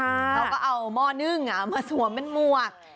เขาก็เอาหม้อนึ่งมาสวมเป็นหมวก